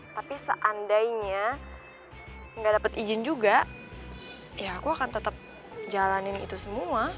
tapi seandainya nggak dapat izin juga ya aku akan tetap jalanin itu semua